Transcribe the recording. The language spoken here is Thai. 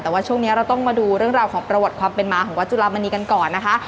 แต่ว่าช่วงนี้เราต้องมาดูเรื่องราวของประวัติความเป็นมาของวัดจุลามณีกันก่อนนะคะ